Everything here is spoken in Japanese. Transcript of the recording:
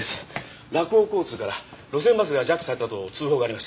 洛央交通から路線バスがジャックされたと通報がありました。